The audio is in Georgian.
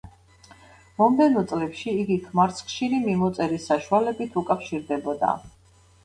მომდევნო წლებში იგი ქმარს ხშირი მიმოწერის საშუალებით უკავშირდებოდა.